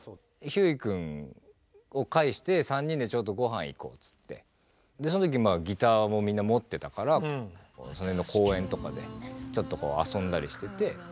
ひゅーい君を介して３人でちょっとごはん行こうつってその時ギターもみんな持ってたからその辺の公園とかでちょっと遊んだりしてて。